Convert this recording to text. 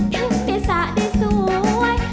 ทุกฝีศาสตร์ได้สวย